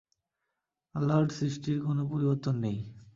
আল্লাহর সৃষ্টির কোন পরিবর্তন নেই।